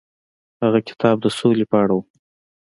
هغه کتاب د سولې په اړه و.